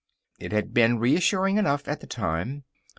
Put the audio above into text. It had been reassuring enough at the time.